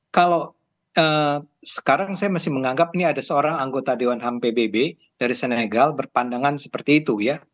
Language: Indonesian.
kalau sekarang saya masih menganggap ini ada seorang anggota dewan ham pbb dari senegal berpandangan seperti itu ya